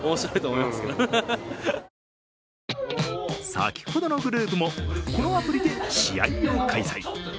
先ほどのグループもこのアプリで試合を開催。